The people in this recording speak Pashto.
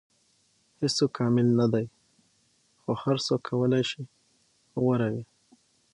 • هیڅوک کامل نه دی، خو هر څوک کولی شي غوره وي.